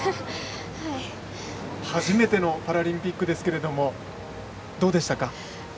初めてのパラリンピックですけどどうでしたか。